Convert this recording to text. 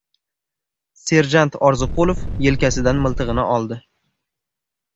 Serjant Orziqulov yelkasidan miltig‘ini oldi.